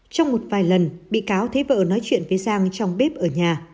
trong một vài lần bị cáo thấy vợ nói chuyện với giang trong bếp ở nhà